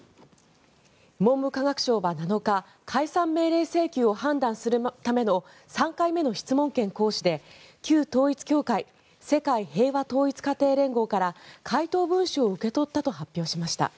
文部科学省は７日解散命令請求を判断するための３回目の質問権行使で旧統一教会・世界平和統一家庭連合から回答文書を受け取ったと発表しました。